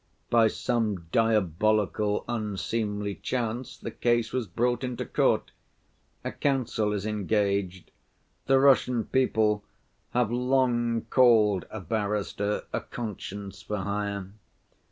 By some diabolical unseemly chance the case was brought into court. A counsel is engaged. The Russian people have long called a barrister 'a conscience for hire.